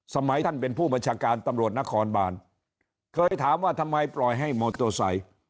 สมัยท่านเป็นผู้บัญชาการตำรวจนครบานเคยถามว่าทำไมปล่อยให้มอเตอร์ไซค์